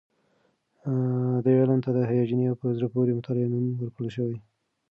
دې علم ته د هیجاني او په زړه پورې مطالعې نوم ورکړل شوی.